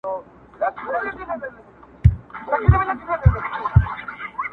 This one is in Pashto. ته پاچایې د ځنگلونو او د غرونو!